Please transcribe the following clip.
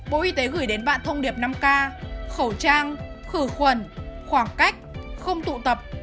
bộ y tế gửi đến bạn thông điệp năm k khẩu trang khử khuẩn khoảng cách không tụ tập